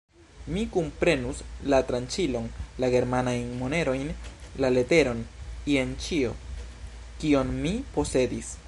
Mi kunprenus: la tranĉilon, la germanajn monerojn, la leteron, jen ĉio, kion mi posedis.